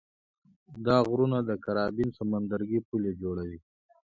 دا غرونه د کارابین سمندرګي پولې جوړوي.